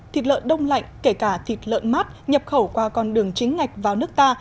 thịt lợn đông lạnh kể cả thịt lợn mát nhập khẩu qua con đường chính ngạch vào nước ta